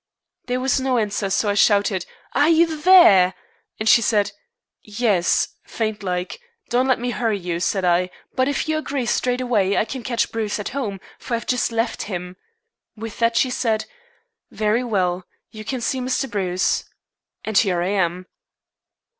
There was no answer, so I shouted, 'Are you there?' and she said, 'Yes,' faint like. 'Don't let me hurry you,' said I, 'but if you agree straight away I can catch Bruce at home, for I've just left him.' With that she said, 'Very well. You can see Mr. Bruce.' And here I am."